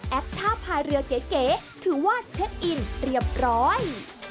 ท่าพายเรือเก๋ถือว่าเช็คอินเรียบร้อย